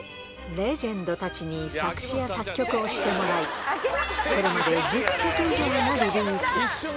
レジェンドたちに作詞や作曲をしてもらい、これまで１０曲以上もリリース。